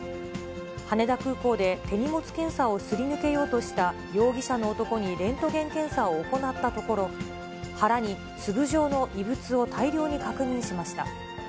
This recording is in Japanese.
羽田空港で手荷物検査をすり抜けようとした容疑者の男にレントゲン検査を行ったところ、腹に粒状の異物を大量に確認しました。